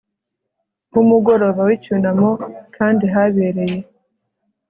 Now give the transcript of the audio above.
w umugoroba w icyunamo kandi habereye